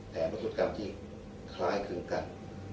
แทนรัติตุกรรมที่คล้ายคืนกัน